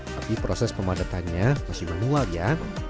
tapi proses pemadatannya masih manual ya